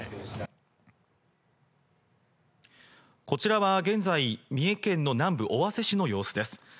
こちらは現在、三重県の南部、尾鷲市の様子です。